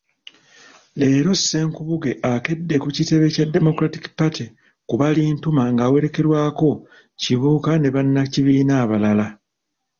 Leero Ssenkubuge akedde ku kitebe kya Democratic Party ku Balintuma ng'awerekerwako Kibuuka ne bannakibiina abalala.